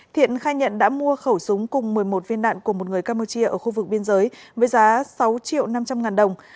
thiện khai nhận đã mua khẩu súng cùng một mươi một viên đạn của một người campuchia ở khu vực biên giới với giá sáu triệu năm trăm linh ngàn đồng